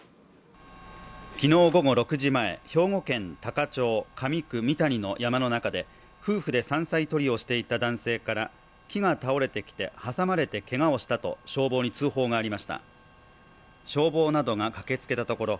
昨日午後６時前兵庫県多可町加美区三谷の山の中で夫婦で山菜採りをしていた男性から木が倒れてきて挟まれて怪我をしたと消防に通報がありました消防などが駆けつけたところ